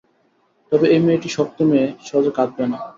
তবে এই মেয়েটি শক্ত মেয়ে, সহজে কাঁদবে না।